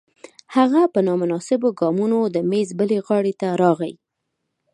هغه په نامناسبو ګامونو د میز بلې غاړې ته راغی